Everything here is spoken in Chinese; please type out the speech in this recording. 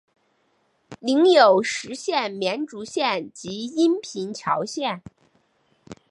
领有实县绵竹县及阴平侨县。